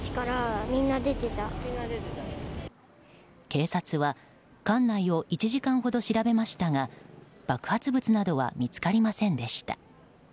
警察は館内を１時間ほど調べましたが爆発物などは見つかりませんでした。